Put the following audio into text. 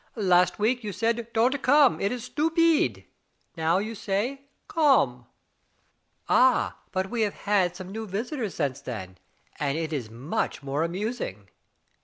"Last week you said don't come — it is stupeed. Now you say, come !" "Ah, but we have had some new visitors since then, and it is much more amusing."